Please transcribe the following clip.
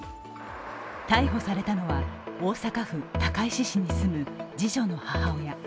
逮捕されたのは大阪府高石市に住む、次女の母親